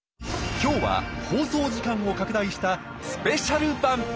今日は放送時間を拡大したスペシャル版！